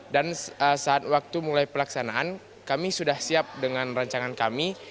dan saat waktu mulai pelaksanaan kami sudah siap dengan rancangan kami